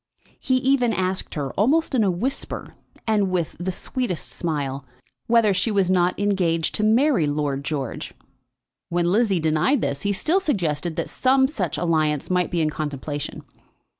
He even asked her, almost in a whisper, and with the sweetest smile, whether she was not engaged to marry Lord George. When Lizzie denied this, he still suggested that some such alliance might be in contemplation.